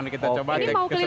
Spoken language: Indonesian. kita coba keseluruhan